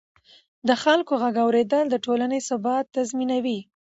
د خلکو غږ اورېدل د ټولنې ثبات تضمینوي